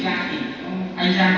thì anh giang có cái cách